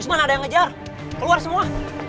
cuma ada yang ngejar keluar semua